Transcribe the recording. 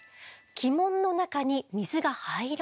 気門の中に水が入らないんです。